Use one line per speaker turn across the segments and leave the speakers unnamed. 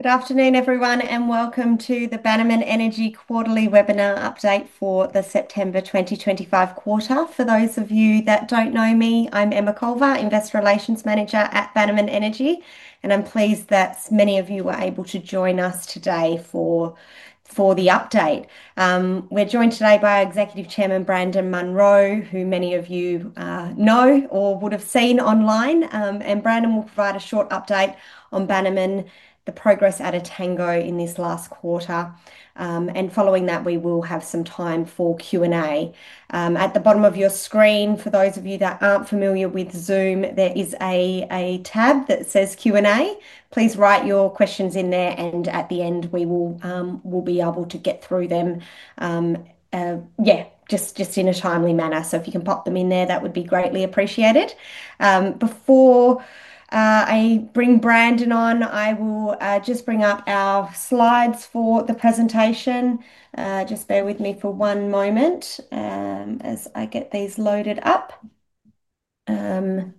Good afternoon, everyone, and welcome to the Bannerman Energy Quarterly Webinar Update for the September 2025 quarter. For those of you that don't know me, I'm Emma Culver, Investor Relations Manager at Bannerman Energy, and I'm pleased that many of you were able to join us today for the update. We're joined today by our Executive Chairman, Brandon Munro, who many of you know or would have seen online. Brandon will provide a short update on Bannerman, the progress at Etango in this last quarter. Following that, we will have some time for Q&A. At the bottom of your screen, for those of you that aren't familiar with Zoom, there is a tab that says Q&A. Please write your questions in there, and at the end, we will be able to get through them in a timely manner. If you can pop them in there, that would be greatly appreciated. Before I bring Brandon on, I will just bring up our slides for the presentation. Just bear with me for one moment as I get these loaded up. Okay,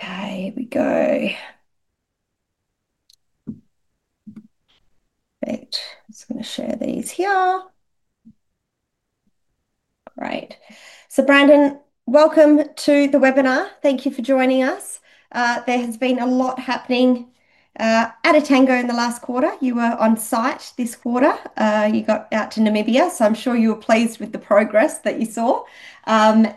here we go. I'm just going to share these here. Great. Brandon, welcome to the webinar. Thank you for joining us. There has been a lot happening at Etango in the last quarter. You were on site this quarter. You got out to Namibia, so I'm sure you were pleased with the progress that you saw. There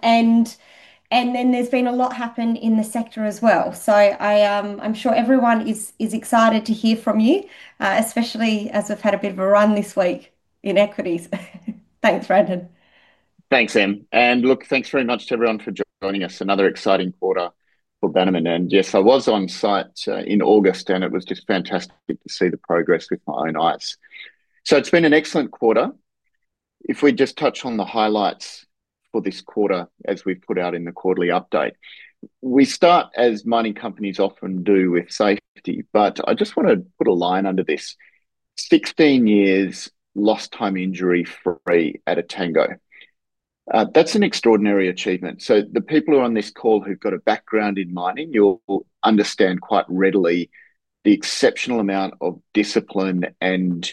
has been a lot happening in the sector as well. I'm sure everyone is excited to hear from you, especially as we've had a bit of a run this week in equities. Thanks, Brandon.
Thanks, Em. Thanks very much to everyone for joining us. Another exciting quarter for Bannerman. Yes, I was on site in August, and it was just fantastic to see the progress with my own eyes. It's been an excellent quarter. If we just touch on the highlights for this quarter, as we've put out in the quarterly update, we start, as mining companies often do, with safety. I just want to put a line under this 16 years lost time injury-free at Etango. That's an extraordinary achievement. The people who are on this call who've got a background in mining, you'll understand quite readily the exceptional amount of discipline and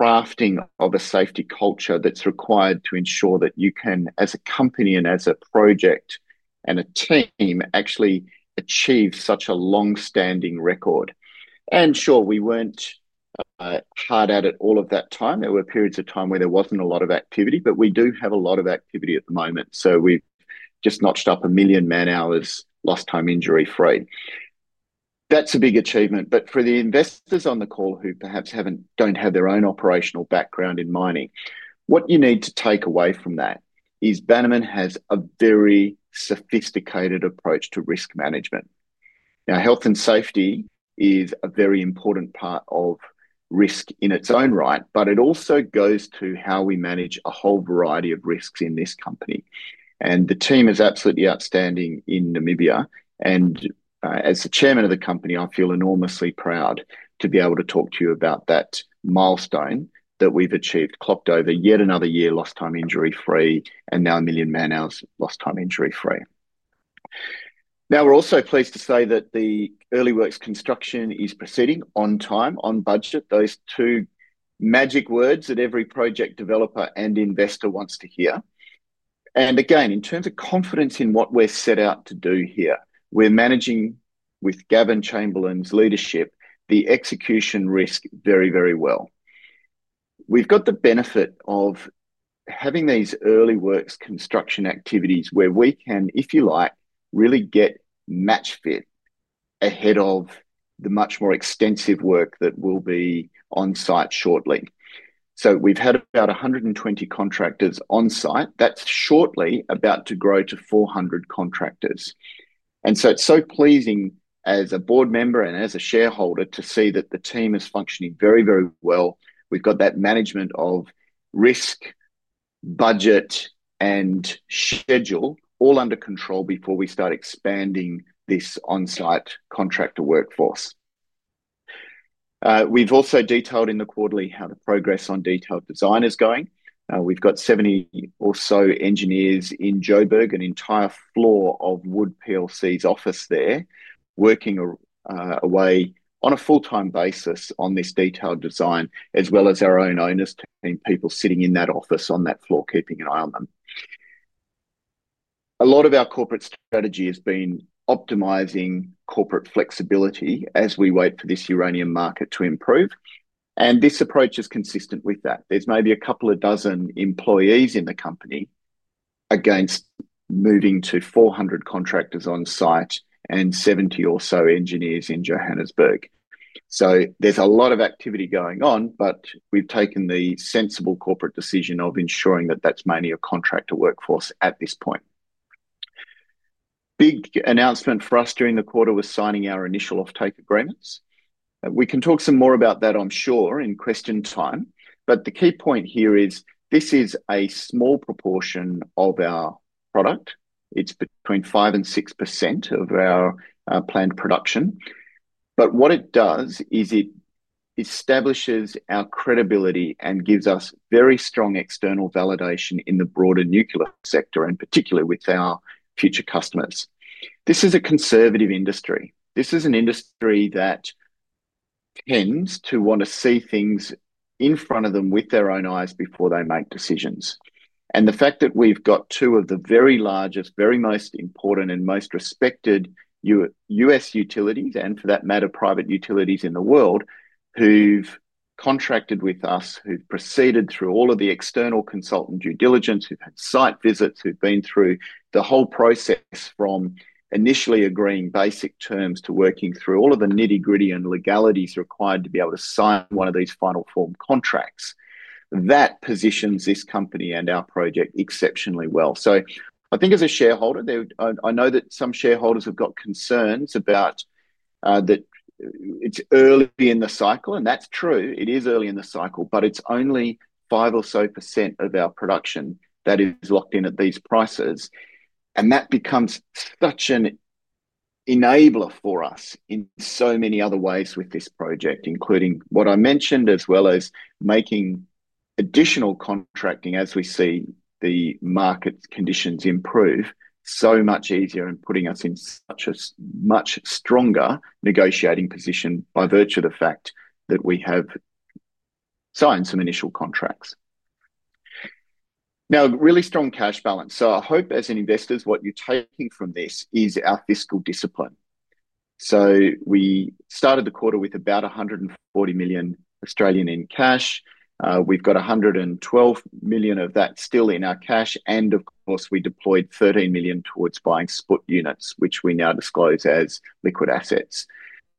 crafting of a safety culture that's required to ensure that you can, as a company and as a project and a team, actually achieve such a long-standing record. We weren't hard at it all of that time. There were periods of time where there wasn't a lot of activity, but we do have a lot of activity at the moment. We've just notched up a million man-hours lost time injury-free. That's a big achievement. For the investors on the call who perhaps don't have their own operational background in mining, what you need to take away from that is Bannerman has a very sophisticated approach to risk management. Health and safety is a very important part of risk in its own right, but it also goes to how we manage a whole variety of risks in this company. The team is absolutely outstanding in Namibia. As the Chairman of the company, I feel enormously proud to be able to talk to you about that milestone that we've achieved, clocked over yet another year lost time injury-free, and now a million man-hours lost time injury-free. We're also pleased to say that the early works construction is proceeding on time, on budget, those two magic words that every project developer and investor wants to hear. In terms of confidence in what we're set out to do here, we're managing with Gavin Chamberlain's leadership the execution risk very, very well. We've got the benefit of having these early works construction activities where we can, if you like, really get match fit ahead of the much more extensive work that will be on site shortly. We've had about 120 contractors on site. That's shortly about to grow to 400 contractors. It's so pleasing as a board member and as a shareholder to see that the team is functioning very, very well. We've got that management of risk, budget, and schedule all under control before we start expanding this on-site contractor workforce. We've also detailed in the quarterly how the progress on detailed design is going. We've got 70 or so engineers in Johannesburg, an entire floor of Wood PLC's office there, working away on a full-time basis on this detailed design, as well as our own owners, people sitting in that office on that floor, keeping an eye on them. A lot of our corporate strategy has been optimizing corporate flexibility as we wait for this uranium market to improve. This approach is consistent with that. There's maybe a couple of dozen employees in the company against moving to 400 contractors on site and 70 or so engineers in Johannesburg. There's a lot of activity going on, but we've taken the sensible corporate decision of ensuring that that's mainly a contractor workforce at this point. A big announcement for us during the quarter was signing our initial off-take agreements. We can talk some more about that, I'm sure, in question time. The key point here is this is a small proportion of our product. It's between 5% and 6% of our planned production. What it does is it establishes our credibility and gives us very strong external validation in the broader nuclear sector, and particularly with our future customers. This is a conservative industry. This is an industry that tends to want to see things in front of them with their own eyes before they make decisions. The fact that we've got two of the very largest, very most important, and most respected U.S. utilities, and for that matter, private utilities in the world, who've contracted with us, who've proceeded through all of the external consultant due diligence, who've had site visits, who've been through the whole process from initially agreeing basic terms to working through all of the nitty-gritty and legalities required to be able to sign one of these final form contracts, that positions this company and our project exceptionally well. I think as a shareholder, I know that some shareholders have got concerns about that it's early in the cycle, and that's true. It is early in the cycle, but it's only 5% or so of our production that is locked in at these prices. That becomes such an enabler for us in so many other ways with this project, including what I mentioned, as well as making additional contracting as we see the market conditions improve much easier and putting us in a much stronger negotiating position by virtue of the fact that we have signed some initial contracts. Really strong cash balance. I hope as investors, what you're taking from this is our fiscal discipline. We started the quarter with about 140 million in cash. We've got 112 million of that still in our cash. Of course, we deployed 13 million towards buying spot units, which we now disclose as liquid assets.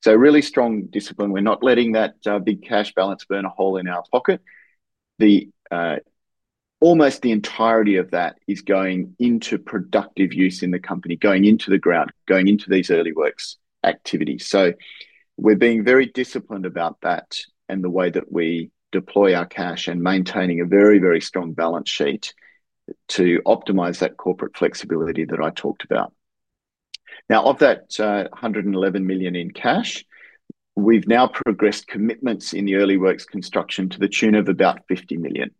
Really strong discipline. We're not letting that big cash balance burn a hole in our pocket. Almost the entirety of that is going into productive use in the company, going into the ground, going into these early works activities. We're being very disciplined about that and the way that we deploy our cash and maintaining a very, very strong balance sheet to optimize that corporate flexibility that I talked about. Of that 111 million in cash, we've now progressed commitments in the early works construction to the tune of about 50 million.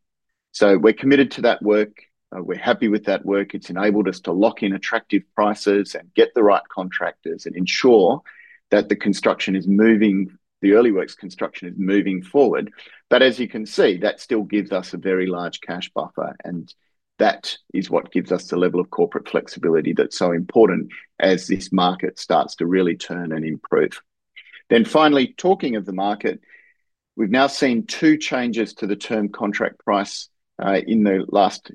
We're committed to that work. We're happy with that work. It's enabled us to lock in attractive prices and get the right contractors and ensure that the construction is moving, the early works construction is moving forward. As you can see, that still gives us a very large cash buffer. That is what gives us the level of corporate flexibility that's so important as this market starts to really turn and improve. Finally, talking of the market, we've now seen two changes to the term contract price in the last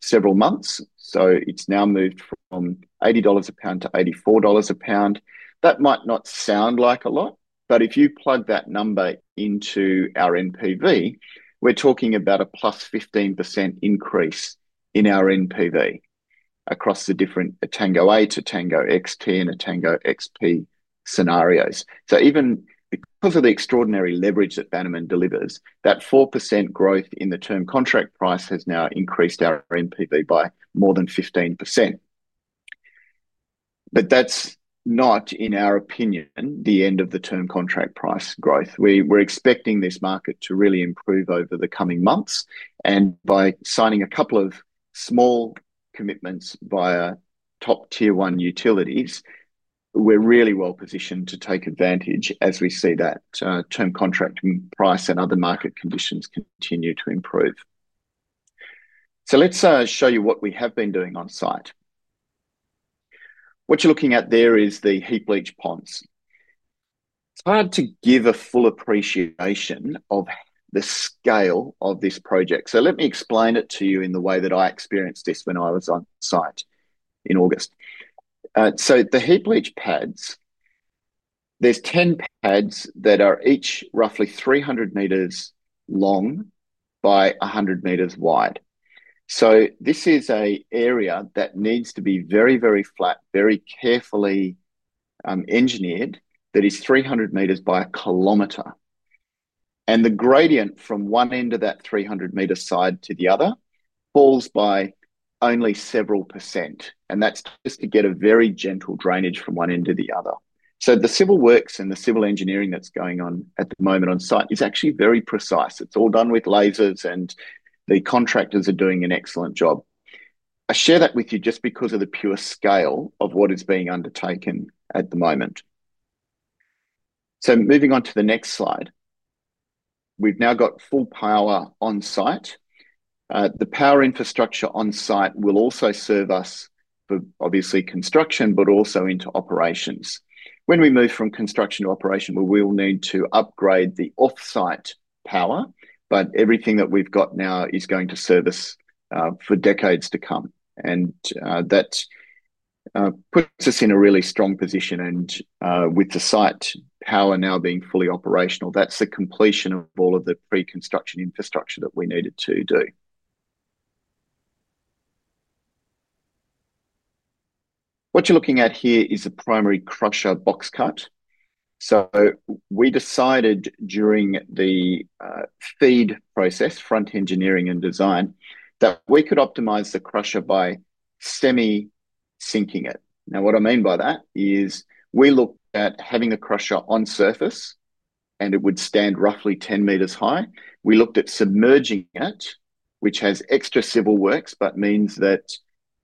several months. It's now moved from $80 a pound to $84 a pound. That might not sound like a lot, but if you plug that number into our NPV, we're talking about a plus 15% increase in our NPV across the different Etango A to Etango XT and the Etango XP scenarios. Even because of the extraordinary leverage that Bannerman Energy delivers, that 4% growth in the term contract price has now increased our NPV by more than 15%. That's not, in our opinion, the end of the term contract price growth. We're expecting this market to really improve over the coming months. By signing a couple of small commitments via top tier one utilities, we're really well positioned to take advantage as we see that term contract price and other market conditions continue to improve. Let me show you what we have been doing on site. What you're looking at there is the heap leach ponds. It's hard to give a full appreciation of the scale of this project. Let me explain it to you in the way that I experienced this when I was on site in August. The heap leach pads, there's 10 pads that are each roughly 300 meters long by 100 meters wide. This is an area that needs to be very, very flat, very carefully engineered, that is 300 meters by a kilometer. The gradient from one end of that 300 meter side to the other falls by only several percent. That's just to get a very gentle drainage from one end to the other. The civil works and the civil engineering that's going on at the moment on site is actually very precise. It's all done with lasers, and the contractors are doing an excellent job. I share that with you just because of the pure scale of what is being undertaken at the moment. Moving on to the next slide, we've now got full power on site. The power infrastructure on site will also serve us for construction, but also into operations. When we move from construction to operation, we will need to upgrade the offsite power, but everything that we've got now is going to serve us for decades to come. That puts us in a really strong position. With the site power now being fully operational, that's the completion of all of the pre-construction infrastructure that we needed to do. What you're looking at here is a primary crusher box cut. We decided during the FEED process, front engineering and design, that we could optimize the crusher by semi-sinking it. What I mean by that is we looked at having a crusher on surface, and it would stand roughly 10 meters high. We looked at submerging it, which has extra civil works, but means that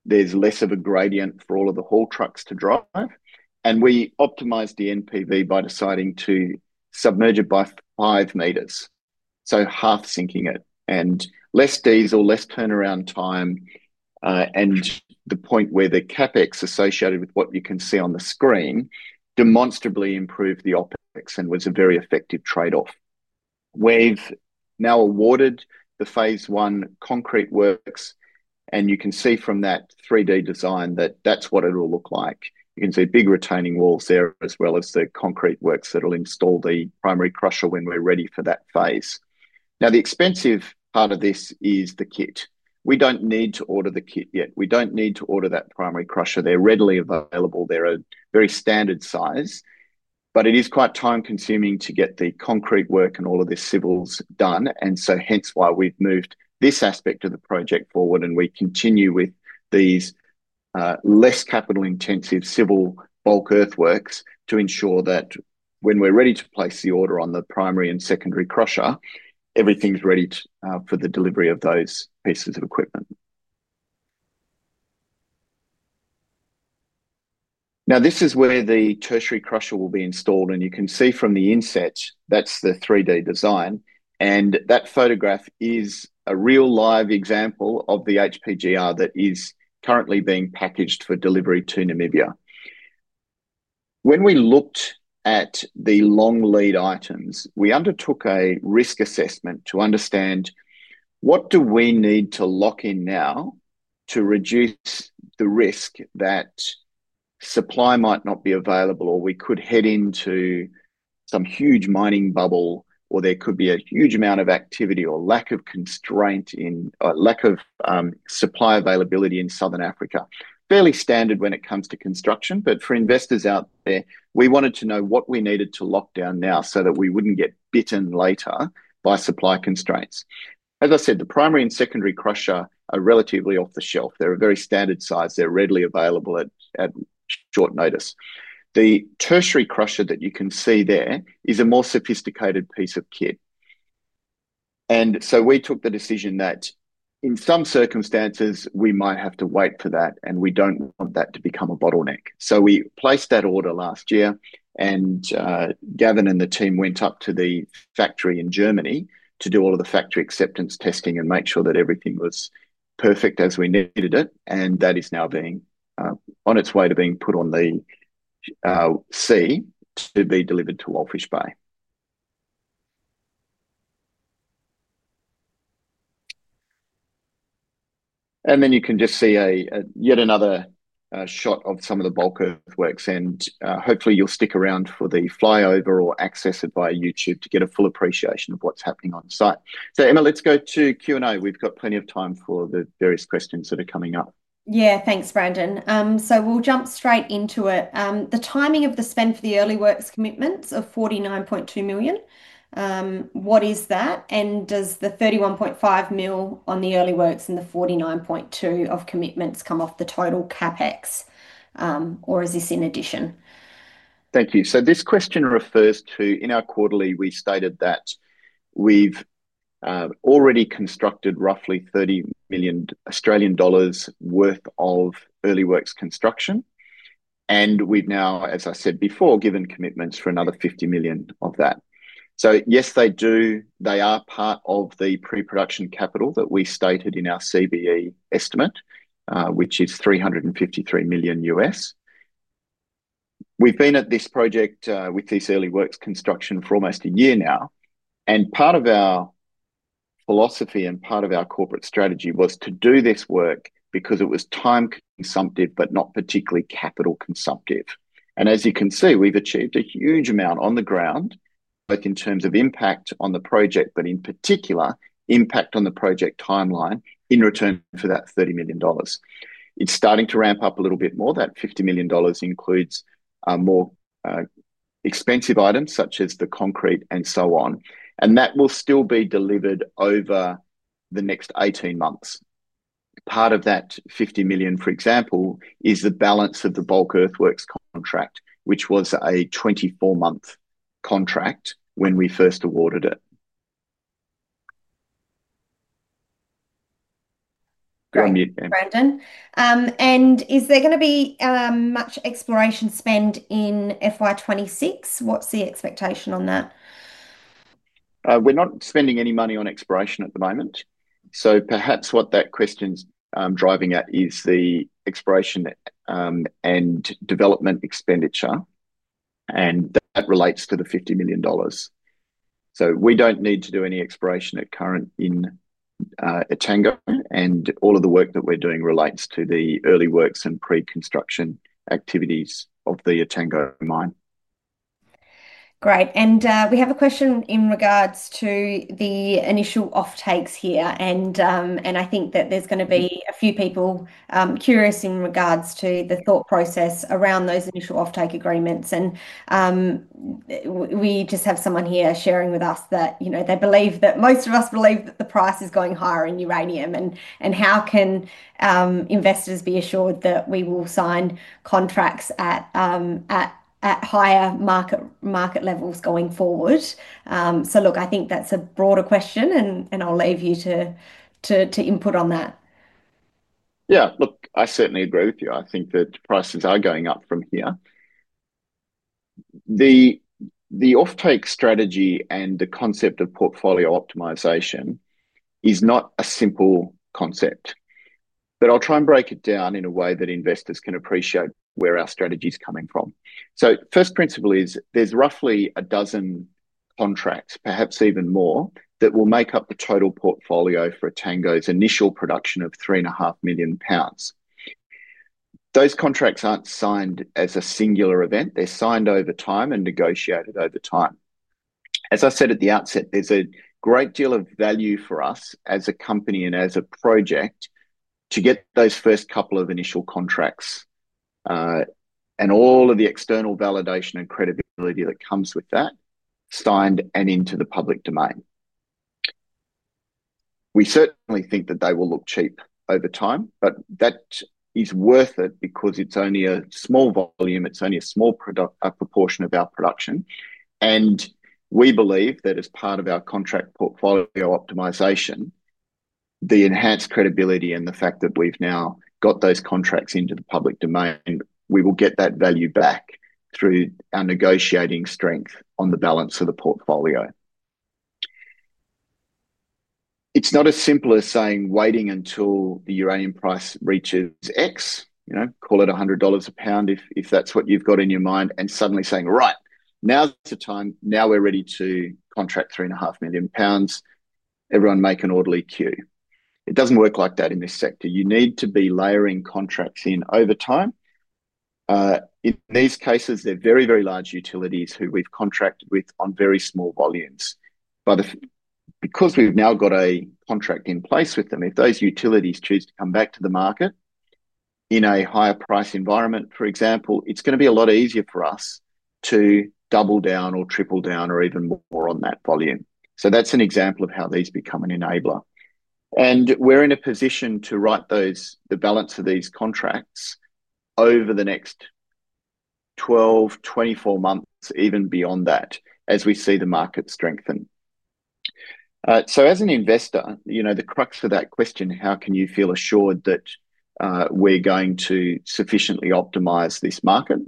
there's less of a gradient for all of the haul trucks to drive. We optimized the NPV by deciding to submerge it by 5 meters, so half sinking it. Less diesel, less turnaround time, and the point where the CapEx associated with what you can see on the screen demonstrably improved the OpEx and was a very effective trade-off. We've now awarded the phase one concrete works, and you can see from that 3D design that that's what it'll look like. You can see big retaining walls there as well as the concrete works that will install the primary crusher when we're ready for that phase. Now, the expensive part of this is the kit. We don't need to order the kit yet. We don't need to order that primary crusher. They're readily available. They're a very standard size, but it is quite time-consuming to get the concrete work and all of the civils done. Hence why we've moved this aspect of the project forward, and we continue with these less capital-intensive civil bulk earthworks to ensure that when we're ready to place the order on the primary and secondary crusher, everything's ready for the delivery of those pieces of equipment. Now, this is where the tertiary crusher will be installed, and you can see from the inset, that's the 3D design. That photograph is a real live example of the HPGR that is currently being packaged for delivery to Namibia. When we looked at the long lead items, we undertook a risk assessment to understand what do we need to lock in now to reduce the risk that supply might not be available, or we could head into some huge mining bubble, or there could be a huge amount of activity or lack of constraint in lack of supply availability in Southern Africa. Fairly standard when it comes to construction, but for investors out there, we wanted to know what we needed to lock down now so that we wouldn't get bitten later by supply constraints. As I said, the primary and secondary crusher are relatively off the shelf. They're a very standard size. They're readily available at short notice. The tertiary crusher that you can see there is a more sophisticated piece of kit. We took the decision that in some circumstances, we might have to wait for that, and we don't want that to become a bottleneck. We placed that order last year, and Gavin and the team went up to the factory in Germany to do all of the factory acceptance testing and make sure that everything was perfect as we needed it. That is now on its way to being put on the sea to be delivered to Walfish Bay. You can just see yet another shot of some of the bulk earthworks. Hopefully, you'll stick around for the flyover or access it via YouTube to get a full appreciation of what's happening on site. Emma, let's go to Q&A. We've got plenty of time for the various questions that are coming up.
Yeah, thanks, Brandon. We'll jump straight into it. The timing of the spend for the early works commitments of 49.2 million, what is that? Does the 31.5 million on the early works and the 49.2 million of commitments come off the total CapEx, or is this in addition?
Thank you. This question refers to, in our quarterly, we stated that we've already constructed roughly 30 million Australian dollars worth of early works construction. We've now, as I said before, given commitments for another 50 million of that. Yes, they do. They are part of the pre-production capital that we stated in our CBE estimate, which is $353 million. We've been at this project with this early works construction for almost a year now. Part of our philosophy and part of our corporate strategy was to do this work because it was time-consumptive, but not particularly capital-consumptive. As you can see, we've achieved a huge amount on the ground, both in terms of impact on the project, but in particular, impact on the project timeline in return for that $30 million. It's starting to ramp up a little bit more. That $50 million includes more expensive items, such as the concrete and so on, and that will still be delivered over the next 18 months. Part of that $50 million, for example, is the balance of the bulk earthworks contract, which was a 24-month contract when we first awarded it.
Brandon, is there going to be much exploration spend in FY 2026? What's the expectation on that?
We're not spending any money on exploration at the moment. Perhaps what that question's driving at is the exploration and development expenditure, and that relates to the $50 million. We don't need to do any exploration at current in Etango, and all of the work that we're doing relates to the early works and pre-construction activities of the Etango mine.
Great. We have a question in regards to the initial off-takes here. I think that there's going to be a few people curious in regards to the thought process around those initial off-take agreements. We just have someone here sharing with us that they believe that most of us believe that the price is going higher in uranium. How can investors be assured that we will sign contracts at higher market levels going forward? I think that's a broader question. I'll leave you to input on that.
Yeah, look, I certainly agree with you. I think that prices are going up from here. The off-take strategy and the concept of portfolio optimization is not a simple concept. I'll try and break it down in a way that investors can appreciate where our strategy is coming from. First principle is there's roughly a dozen contracts, perhaps even more, that will make up the total portfolio for Etango's initial production of 3.5 million pounds. Those contracts aren't signed as a singular event. They're signed over time and negotiated over time. As I said at the outset, there's a great deal of value for us as a company and as a project to get those first couple of initial contracts and all of the external validation and credibility that comes with that signed and into the public domain. We certainly think that they will look cheap over time, but that is worth it because it's only a small volume. It's only a small proportion of our production. We believe that as part of our contract portfolio optimization, the enhanced credibility and the fact that we've now got those contracts into the public domain, we will get that value back through our negotiating strength on the balance of the portfolio. It's not as simple as saying waiting until the uranium price reaches X, you know, call it $100 a pound if that's what you've got in your mind, and suddenly saying, right, now's the time. Now we're ready to contract 3.5 million pounds. Everyone make an orderly queue. It doesn't work like that in this sector. You need to be layering contracts in over time. In these cases, they're very, very large utilities who we've contracted with on very small volumes. Because we've now got a contract in place with them, if those utilities choose to come back to the market in a higher price environment, for example, it's going to be a lot easier for us to double down or triple down or even more on that volume. That's an example of how these become an enabler. We're in a position to write the balance of these contracts over the next 12, 24 months, even beyond that, as we see the market strengthen. As an investor, the crux of that question, how can you feel assured that we're going to sufficiently optimize this market?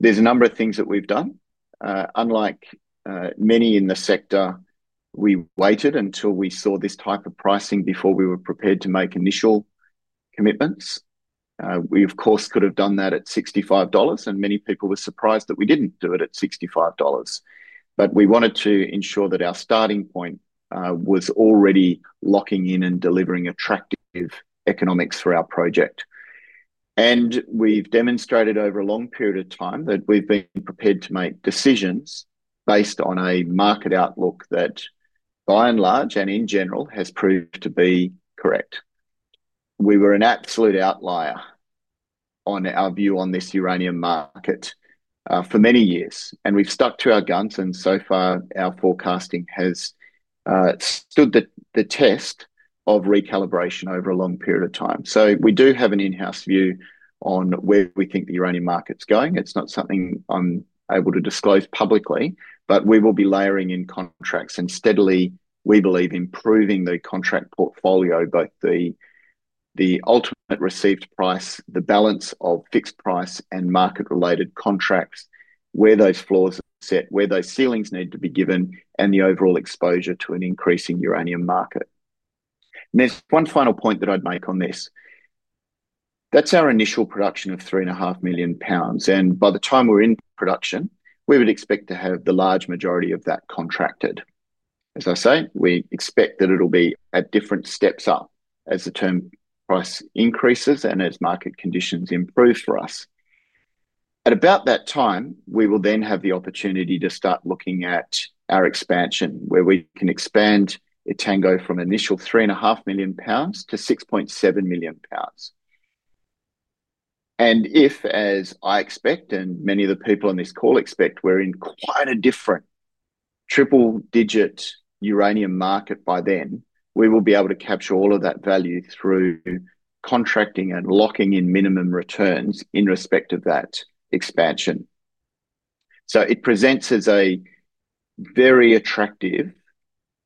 There's a number of things that we've done. Unlike many in the sector, we waited until we saw this type of pricing before we were prepared to make initial commitments. We, of course, could have done that at $65, and many people were surprised that we didn't do it at $65. We wanted to ensure that our starting point was already locking in and delivering attractive economics for our project. We've demonstrated over a long period of time that we've been prepared to make decisions based on a market outlook that, by and large, and in general, has proved to be correct. We were an absolute outlier on our view on this uranium market for many years. We've stuck to our guns, and so far, our forecasting has stood the test of recalibration over a long period of time. We do have an in-house view on where we think the uranium market's going. It's not something I'm able to disclose publicly, but we will be layering in contracts and steadily, we believe, improving the contract portfolio, both the ultimate received price, the balance of fixed price and market-related contracts, where those floors are set, where those ceilings need to be given, and the overall exposure to an increasing uranium market. There's one final point that I'd make on this. That's our initial production of 3.5 million pounds. By the time we're in production, we would expect to have the large majority of that contracted. As I say, we expect that it'll be at different steps up as the term price increases and as market conditions improve for us. At about that time, we will then have the opportunity to start looking at our expansion, where we can expand Etango from an initial 3.5 million pounds-6.7 million pounds. If, as I expect and many of the people on this call expect, we're in quite a different triple-digit uranium market by then, we will be able to capture all of that value through contracting and locking in minimum returns in respect of that expansion. It presents as a very attractive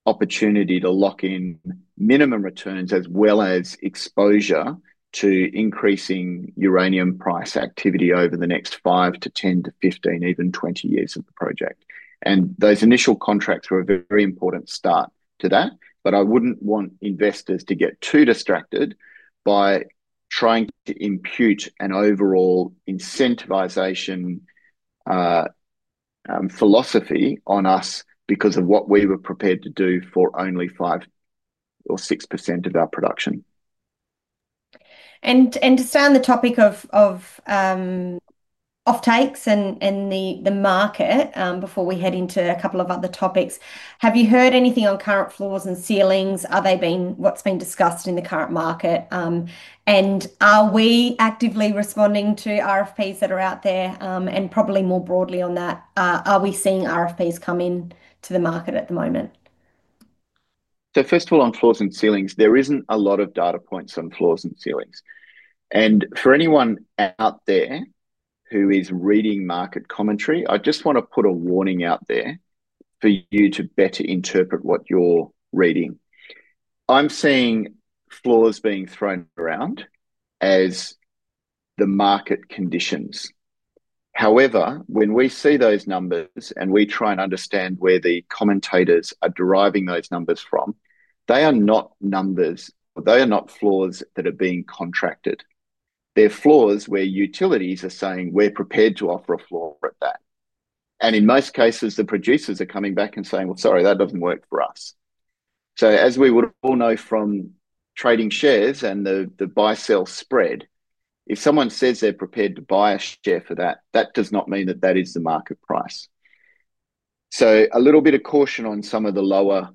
opportunity to lock in minimum returns as well as exposure to increasing uranium price activity over the next 5 to 10 to 15, even 20 years of the project. Those initial contracts were a very important start to that. I wouldn't want investors to get too distracted by trying to impute an overall incentivization philosophy on us because of what we were prepared to do for only 5% or 6% of our production.
To stay on the topic of off-take agreements and the market before we head into a couple of other topics, have you heard anything on current floors and ceilings? Are they being what's been discussed in the current market? Are we actively responding to RFPs that are out there? More broadly on that, are we seeing RFPs come into the market at the moment?
First of all, on floors and ceilings, there isn't a lot of data points on floors and ceilings. For anyone out there who is reading market commentary, I just want to put a warning out there for you to better interpret what you're reading. I'm seeing floors being thrown around as the market conditions. However, when we see those numbers and we try and understand where the commentators are deriving those numbers from, they are not numbers or they are not floors that are being contracted. They're floors where utilities are saying we're prepared to offer a floor at that. In most cases, the producers are coming back and saying, sorry, that doesn't work for us. As we would all know from trading shares and the buy-sell spread, if someone says they're prepared to buy a share for that, that does not mean that that is the market price. A little bit of caution on some of the lower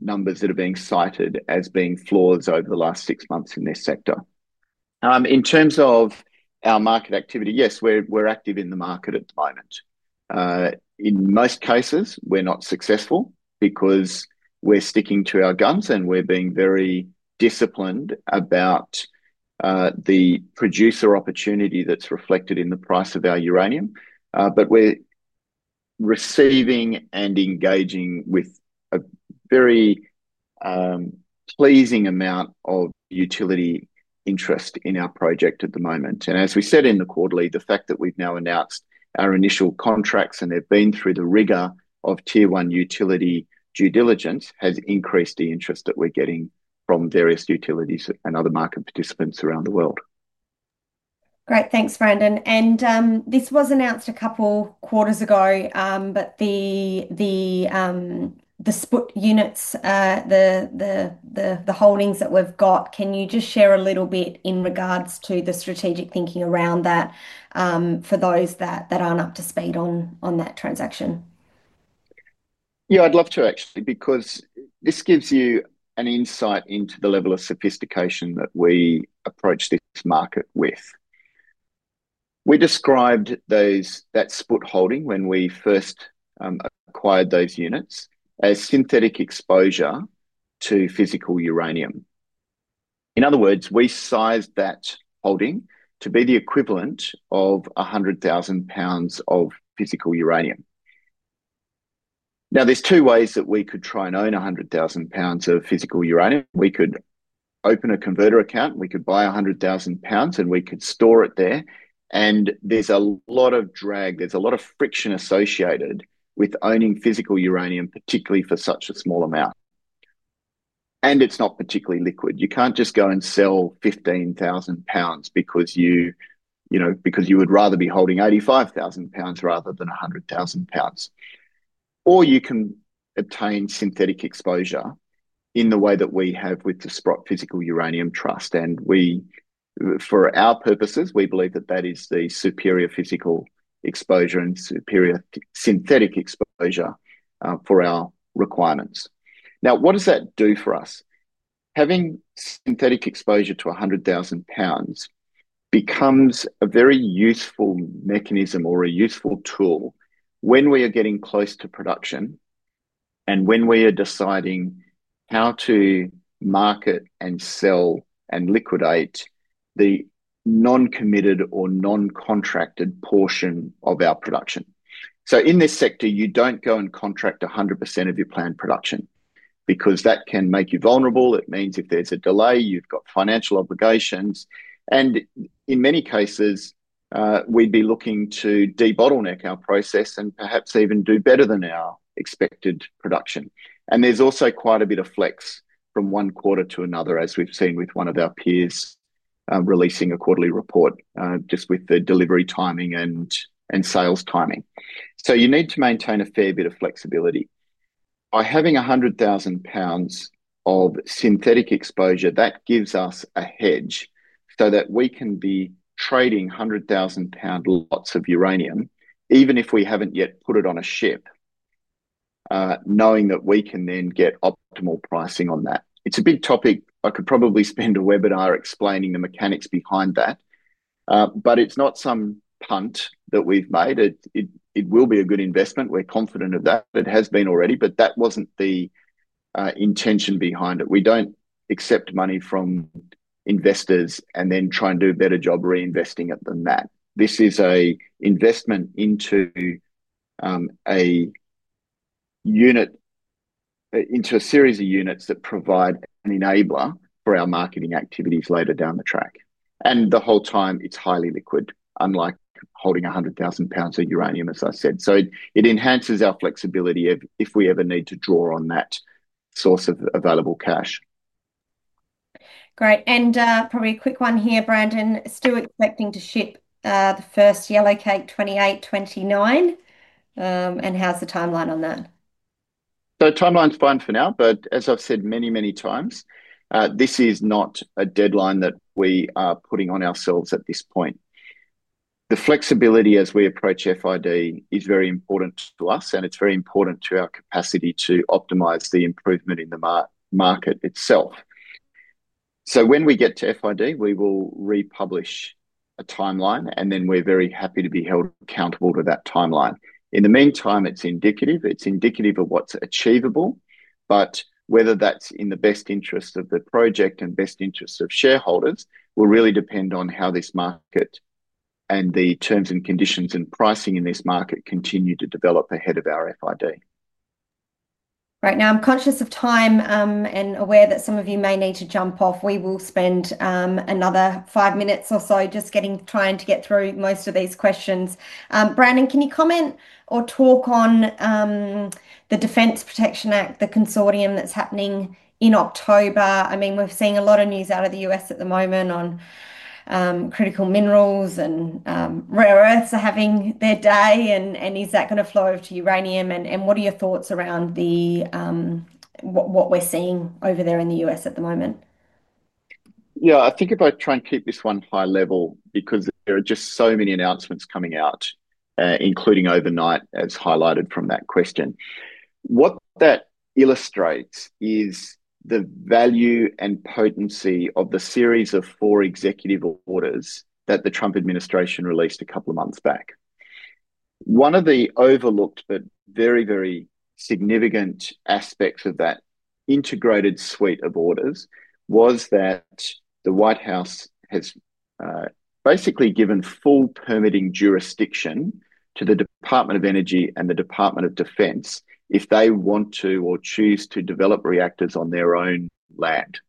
numbers that are being cited as being floors over the last six months in this sector. In terms of our market activity, yes, we're active in the market at the moment. In most cases, we're not successful because we're sticking to our guns and we're being very disciplined about the producer opportunity that's reflected in the price of our uranium. We're receiving and engaging with a very pleasing amount of utility interest in our project at the moment. As we said in the quarterly, the fact that we've now announced our initial contracts and they've been through the rigor of tier one utility due diligence has increased the interest that we're getting from various utilities and other market participants around the world.
Great, thanks, Brandon. This was announced a couple of quarters ago, but the spot units, the holdings that we've got, can you just share a little bit in regards to the strategic thinking around that for those that aren't up to speed on that transaction?
Yeah, I'd love to actually, because this gives you an insight into the level of sophistication that we approach this market with. We described that spot holding when we first acquired those units as synthetic exposure to physical uranium. In other words, we sized that holding to be the equivalent of 100,000 pounds of physical uranium. Now, there's two ways that we could try and own 100,000 pounds of physical uranium. We could open a converter account, we could buy 100,000 pounds, and we could store it there. There's a lot of drag. There's a lot of friction associated with owning physical uranium, particularly for such a small amount. It's not particularly liquid. You can't just go and sell 15,000 pounds because you would rather be holding 85,000 pounds rather than 100,000 pounds. You can obtain synthetic exposure in the way that we have with the Sprott Physical Uranium Trust. For our purposes, we believe that that is the superior physical exposure and superior synthetic exposure for our requirements. Now, what does that do for us? Having synthetic exposure to 100,000 pounds becomes a very useful mechanism or a useful tool when we are getting close to production and when we are deciding how to market and sell and liquidate the non-committed or non-contracted portion of our production. In this sector, you don't go and contract 100% of your planned production because that can make you vulnerable. It means if there's a delay, you've got financial obligations. In many cases, we'd be looking to de-bottleneck our process and perhaps even do better than our expected production. There's also quite a bit of flex from one quarter to another, as we've seen with one of our peers releasing a quarterly report just with the delivery timing and sales timing. You need to maintain a fair bit of flexibility. By having 100,000 pounds of synthetic exposure, that gives us a hedge so that we can be trading 100,000 pound lots of uranium, even if we haven't yet put it on a ship, knowing that we can then get optimal pricing on that. It's a big topic. I could probably spend a webinar explaining the mechanics behind that. It's not some punt that we've made. It will be a good investment. We're confident of that. It has been already, but that wasn't the intention behind it. We don't accept money from investors and then try and do a better job reinvesting it than that. This is an investment into a unit, into a series of units that provide an enabler for our marketing activities later down the track. The whole time, it's highly liquid, unlike holding 100,000 pounds of uranium, as I said. It enhances our flexibility if we ever need to draw on that source of available cash.
Great. Probably a quick one here, Brandon. Still expecting to ship the first yellowcake 2028-2029, and how's the timeline on that?
The timeline's fine for now, but as I've said many, many times, this is not a deadline that we are putting on ourselves at this point. The flexibility as we approach FID is very important to us, and it's very important to our capacity to optimize the improvement in the market itself. When we get to FID, we will republish a timeline, and then we're very happy to be held accountable to that timeline. In the meantime, it's indicative. It's indicative of what's achievable. Whether that's in the best interest of the project and best interests of shareholders will really depend on how this market and the terms and conditions and pricing in this market continue to develop ahead of our FID.
Right. Now, I'm conscious of time and aware that some of you may need to jump off. We will spend another five minutes or so just trying to get through most of these questions. Brandon, can you comment or talk on the Defense Protection Act, the consortium that's happening in October? I mean, we're seeing a lot of news out of the U.S. at the moment on critical minerals and rare earths are having their day. Is that going to flow over to uranium? What are your thoughts around what we're seeing over there in the U.S. at the moment?
Yeah, I think if I try and keep this one high level because there are just so many announcements coming out, including overnight, as highlighted from that question. What that illustrates is the value and potency of the series of four executive orders that the Trump administration released a couple of months back. One of the overlooked but very, very significant aspects of that integrated suite of orders was that the White House has basically given full permitting jurisdiction to the Department of Energy and the Department of Defense if they want to or choose to develop reactors on their own land.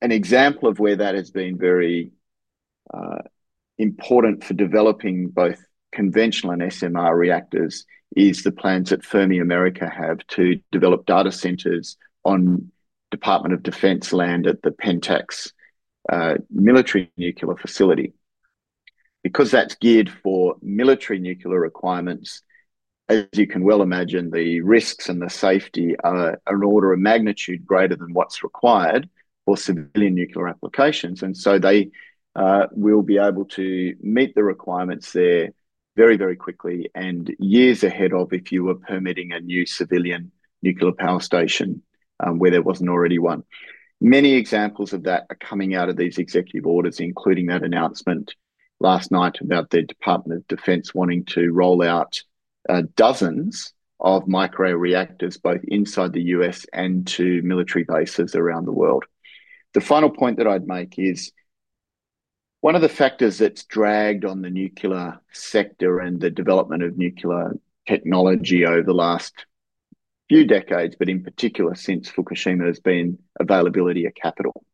An example of where that has been very important for developing both conventional and SMR reactors is the plans that Fermi America have to develop data centers on Department of Defense land at the Pentax military nuclear facility. Because that's geared for military nuclear requirements, as you can well imagine, the risks and the safety are an order of magnitude greater than what's required for civilian nuclear applications. They will be able to meet the requirements there very, very quickly and years ahead of if you were permitting a new civilian nuclear power station where there wasn't already one. Many examples of that are coming out of these executive orders, including that announcement last night about the Department of Defense wanting to roll out dozens of micro reactors both inside the U.S. and to military bases around the world. The final point that I'd make is one of the factors that's dragged on the nuclear sector and the development of nuclear technology over the last few decades, but in particular since Fukushima, has been availability of capital.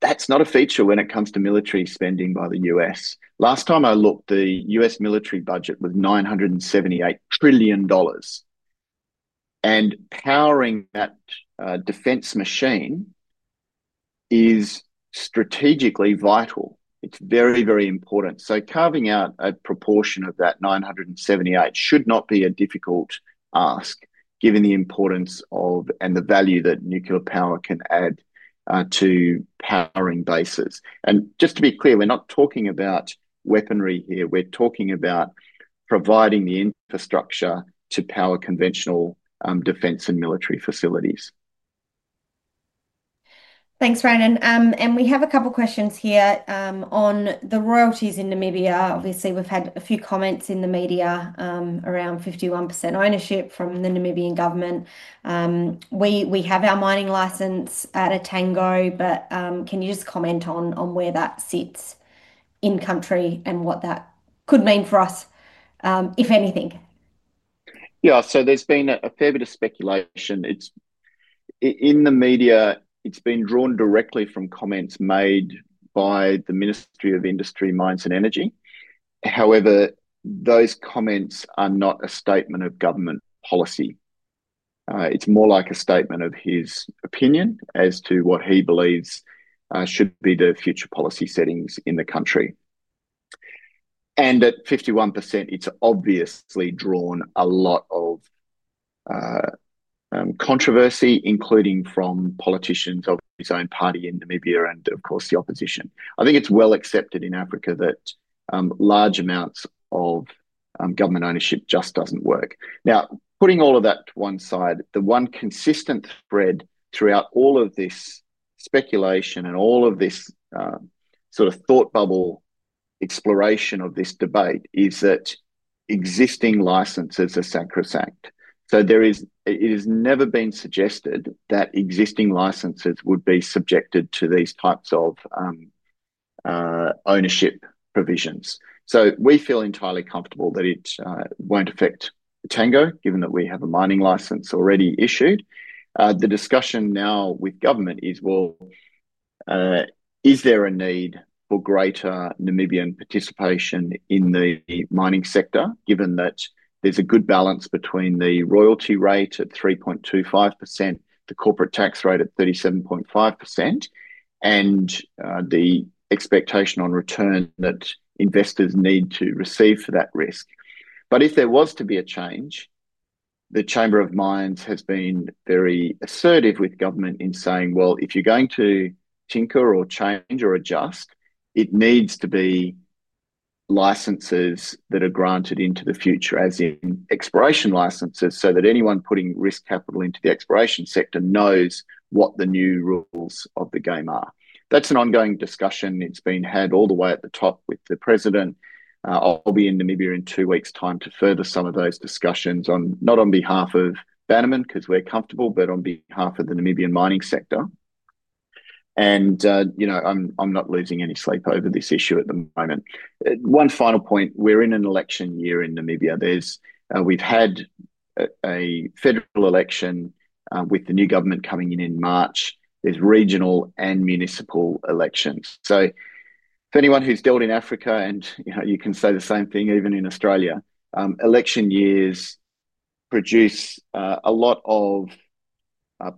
That's not a feature when it comes to military spending by the U.S. Last time I looked, the U.S. military budget was 978 [billion dollars]. Powering that defense machine is strategically vital. It's very, very important. Carving out a proportion of that 978 [billion] should not be a difficult ask, given the importance and the value that nuclear power can add to powering bases. Just to be clear, we're not talking about weaponry here. We're talking about providing the infrastructure to power conventional defense and military facilities.
Thanks, Brandon. We have a couple of questions here on the royalties in Namibia. Obviously, we've had a few comments in the media around 51% ownership from the Namibian government. We have our mining license at Etango, but can you just comment on where that sits in country and what that could mean for us, if anything?
Yeah, so there's been a fair bit of speculation. In the media, it's been drawn directly from comments made by the Ministry of Industry, Mines, and Energy. However, those comments are not a statement of government policy. It's more like a statement of his opinion as to what he believes should be the future policy settings in the country. At 51%, it's obviously drawn a lot of controversy, including from politicians of his own party in Namibia and, of course, the opposition. I think it's well accepted in Africa that large amounts of government ownership just don't work. Now, putting all of that to one side, the one consistent thread throughout all of this speculation and all of this sort of thought bubble exploration of this debate is that existing licenses are sacrosanct. There has never been a suggestion that existing licenses would be subjected to these types of ownership provisions. We feel entirely comfortable that it won't affect Etango, given that we have a mining license already issued. The discussion now with government is, is there a need for greater Namibian participation in the mining sector, given that there's a good balance between the royalty rate at 3.25%, the corporate tax rate at 37.5%, and the expectation on return that investors need to receive for that risk? If there was to be a change, the Chamber of Mines has been very assertive with government in saying, if you're going to tinker or change or adjust, it needs to be licenses that are granted into the future, as in exploration licenses, so that anyone putting risk capital into the exploration sector knows what the new rules of the game are. That's an ongoing discussion. It's been had all the way at the top with the president. I'll be in Namibia in two weeks' time to further some of those discussions, not on behalf of Bannerman because we're comfortable, but on behalf of the Namibian mining sector. I'm not losing any sleep over this issue at the moment. One final point, we're in an election year in Namibia. We've had a federal election with the new government coming in in March. There's regional and municipal elections. For anyone who's dealt in Africa, and you can say the same thing even in Australia, election years produce a lot of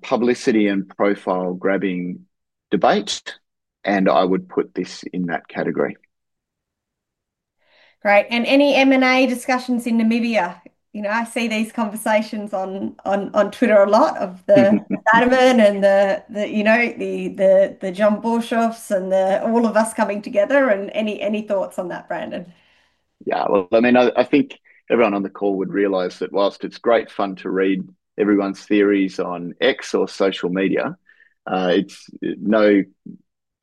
publicity and profile-grabbing debate, and I would put this in that category.
Great. Any M&A discussions in Namibia? I see these conversations on Twitter a lot of the Bannerman and the, you know, the John Buchans and all of us coming together. Any thoughts on that, Brandon?
I think everyone on the call would realize that whilst it's great fun to read everyone's theories on X or social media, no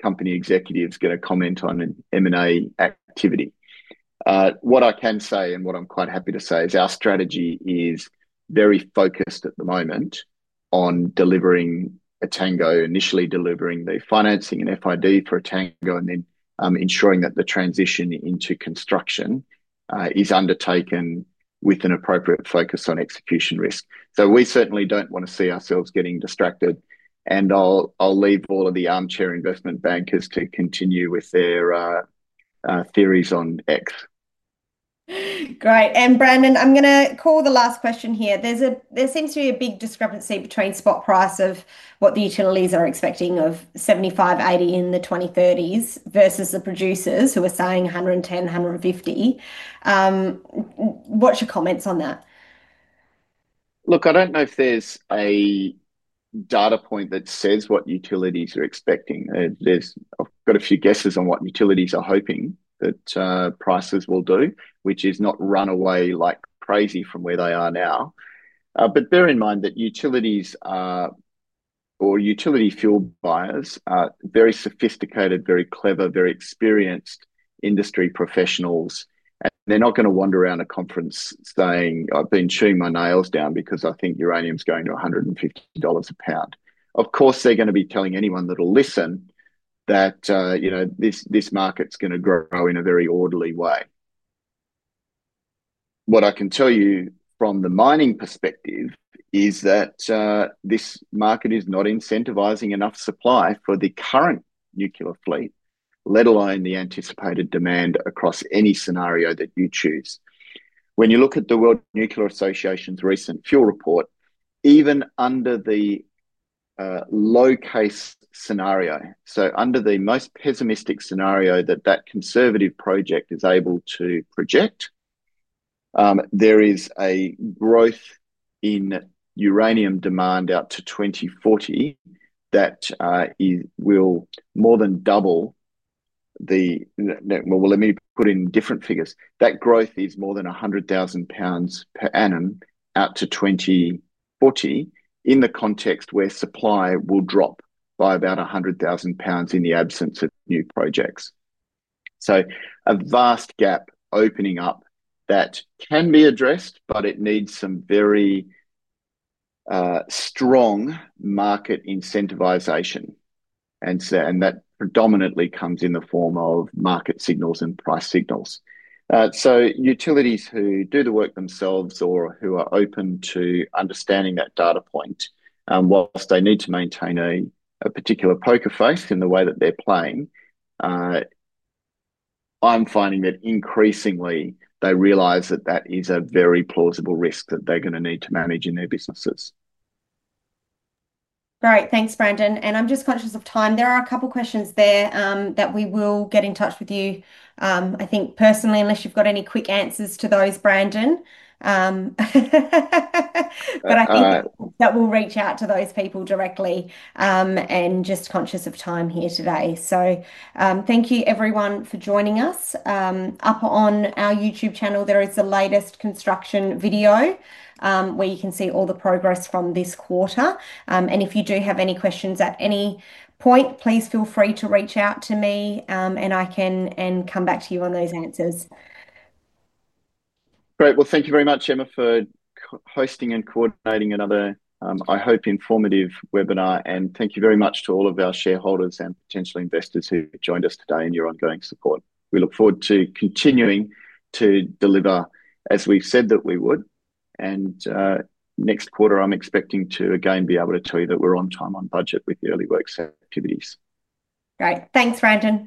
company executive is going to comment on an M&A activity. What I can say and what I'm quite happy to say is our strategy is very focused at the moment on delivering Etango, initially delivering the financing and FID for Etango, and then ensuring that the transition into construction is undertaken with an appropriate focus on execution risk. We certainly don't want to see ourselves getting distracted. I'll leave all of the armchair investment bankers to continue with their theories on X.
Great. Brandon, I'm going to call the last question here. There seems to be a big discrepancy between the spot price of what the U.S. utilities are expecting of $75.80 in the 2030s versus the producers who are saying $110-$150. What's your comments on that?
Look, I don't know if there's a data point that says what utilities are expecting. I've got a few guesses on what utilities are hoping that prices will do, which is not run away like crazy from where they are now. Bear in mind that utilities or utility fuel buyers are very sophisticated, very clever, very experienced industry professionals. They're not going to wander around a conference saying, "I've been chewing my nails down because I think uranium's going to $150 a pound." Of course, they're going to be telling anyone that'll listen that this market's going to grow in a very orderly way. What I can tell you from the mining perspective is that this market is not incentivizing enough supply for the current nuclear fleet, let alone the anticipated demand across any scenario that you choose. When you look at the World Nuclear Association's recent fuel report, even under the low-case scenario, under the most pessimistic scenario that that conservative project is able to project, there is a growth in uranium demand out to 2040 that will more than double the—let me put in different figures. That growth is more than 100,000 pounds per annum out to 2040 in the context where supply will drop by about 100,000 pounds in the absence of new projects. A vast gap is opening up that can be addressed, but it needs some very strong market incentivization. That predominantly comes in the form of market signals and price signals. Utilities who do the work themselves or who are open to understanding that data point, whilst they need to maintain a particular poker face in the way that they're playing, I'm finding that increasingly they realize that that is a very plausible risk that they're going to need to manage in their businesses.
Great. Thanks, Brandon. I'm just conscious of time. There are a couple of questions there that we will get in touch with you, I think, personally, unless you've got any quick answers to those, Brandon. I think that we'll reach out to those people directly. I'm just conscious of time here today. Thank you, everyone, for joining us. Up on our YouTube channel, there is the latest construction video where you can see all the progress from this quarter. If you do have any questions at any point, please feel free to reach out to me, and I can come back to you on those answers.
Great. Thank you very much, Emma, for hosting and coordinating another, I hope, informative webinar. Thank you very much to all of our shareholders and potential investors who joined us today in your ongoing support. We look forward to continuing to deliver, as we've said that we would. Next quarter, I'm expecting to again be able to tell you that we're on time, on budget with the early works activities.
Great. Thanks, Brandon.